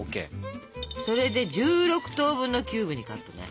それで１６等分のキューブにカットね。